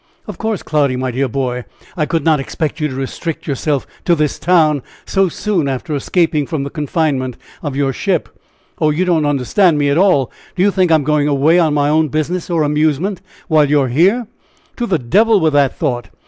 "Of course, Cloudy, my dear boy, I could not expect you to restrict yourself to this town so soon after escaping from the confinement of your ship!" "Oh! you don't understand me at all! Do you think I am going away on my own business, or amusement, while you are here? To the devil with the thought!